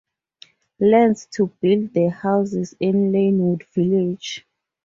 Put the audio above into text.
Lands, to build the houses in Lynwood Village.